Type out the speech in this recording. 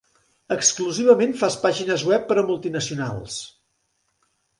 Exclusivament fas pàgines web per a multinacionals.